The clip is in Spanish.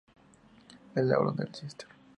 De la orden del Cister.